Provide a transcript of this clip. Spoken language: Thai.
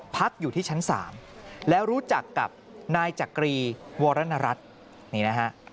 พักอยู่ที่ชั้น๓แล้วรู้จักกับนายจักรีวรรณรัฐนี่นะฮะ